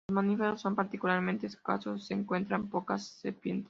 Los mamíferos son particularmente escasos; se encuentran pocas serpientes.